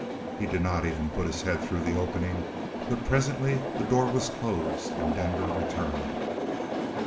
He did not even put his head through the opening, but presently the door was closed and Denver returned.